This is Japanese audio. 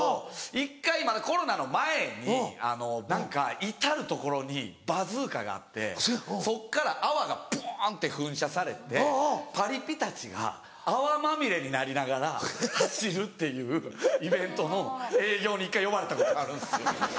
１回まだコロナの前に何か至る所にバズーカがあってそっから泡がボンって噴射されてパリピたちが泡まみれになりながら走るっていうイベントの営業に１回呼ばれたことがあるんですよ。